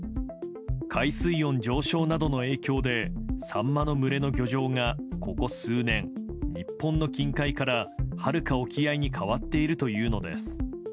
海水温上昇などの影響でサンマの群れの漁場がここ数年、日本の近海からはるか沖合に変わっているというのです。